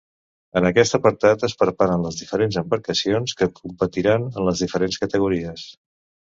En aquest apartat es preparen les diferents embarcacions que competiran en les diferents categories.